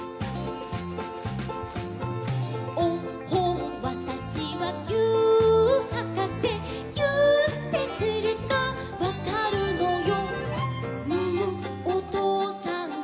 「おっほんわたしはぎゅーっはかせ」「ぎゅーってするとわかるのよ」